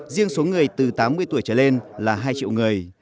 riêng số người từ tám mươi tuổi trở lên là hai triệu người